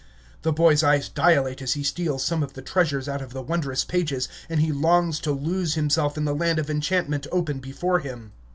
The boy's eyes dilate as he steals some of the treasures out of the wondrous pages, and he longs to lose himself in the land of enchantment open before him.